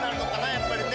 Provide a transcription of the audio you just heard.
やっぱりね。